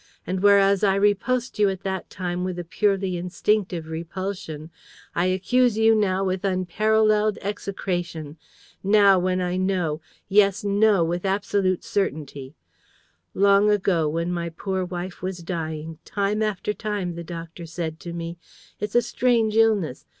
And, whereas I repulsed you at that time with a purely instinctive repulsion, I accuse you now with unparalleled execration ... now when I know, yes, know, with absolute certainty. Long ago, when my poor wife was dying, time after time the doctor said to me, 'It's a strange illness.